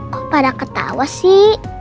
kok pada ketawa sih